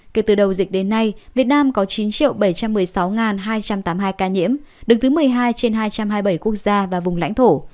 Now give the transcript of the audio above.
kể từ đầu dịch đến nay việt nam có chín bảy trăm một mươi sáu hai trăm tám mươi hai ca nhiễm đứng thứ một mươi hai trên hai trăm hai mươi bảy quốc gia và vùng lãnh thổ